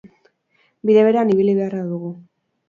Bide berean ibili beharra dugu.